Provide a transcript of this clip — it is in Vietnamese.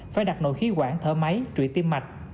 phải đặt nội khí quản thở máy trụy tim mạch